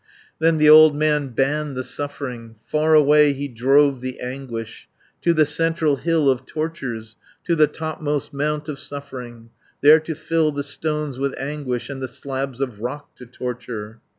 Then the old man banned the suffering, Far away he drove the anguish, To the central Hill of Tortures, To the topmost Mount of Suffering, There to fill the stones with anguish, And the slabs of rock to torture.